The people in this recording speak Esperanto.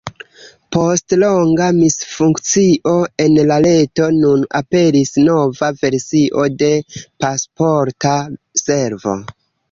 Post longa misfunkcio en la reto nun aperis nova versio de Pasporta Servo.